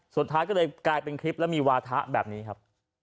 สุดท้ายก็เลยกลายเป็นคลิปแล้วมีวาทะแบบนี้ครับ